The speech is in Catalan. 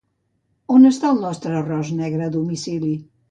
On està el nostre arròs negre a domicili?